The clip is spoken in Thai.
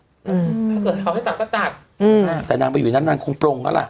ถ้าเกิดเขาให้ตัดก็ตัดอืมอ่าแต่นางไปอยู่นั้นนางคงโปร่งแล้วล่ะ